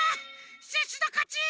シュッシュのかち！